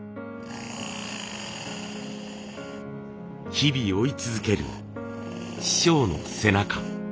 日々追い続ける師匠の背中。